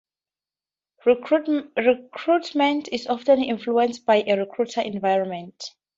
Recruitment is often influenced by a recruit's environment.